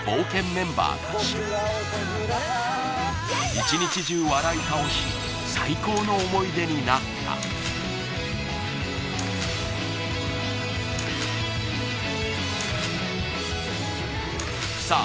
１日中笑い倒し最高の思い出になったさあ